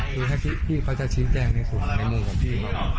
คือที่เขาจะฉีดแจงในสูงในมูลของพี่ครับ